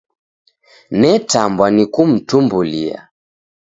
Netambwa ni kumtumbulia.